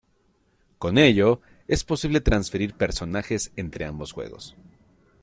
Con ello, es posible transferir personajes entre ambos juegos.